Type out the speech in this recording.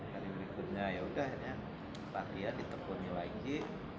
hari berikutnya yaudah latihan di temponnya lagi